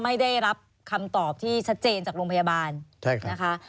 ไม่ได้รับคำตอบที่ชัดเจนจากโรงพยาบาลนะคะ